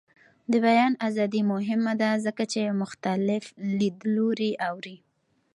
د بیان ازادي مهمه ده ځکه چې مختلف لیدلوري اوري.